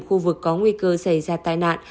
khu vực có nguy cơ xảy ra tai nạn